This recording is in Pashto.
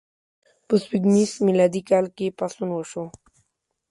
په سپوږمیز میلادي کال کې پاڅون وشو.